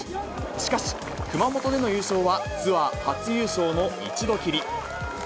しかし、熊本での優勝はツアー初優勝の１度きり。